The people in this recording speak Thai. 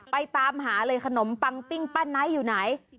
ตามหาเลยขนมปังปิ้งป้าไนท์อยู่ไหน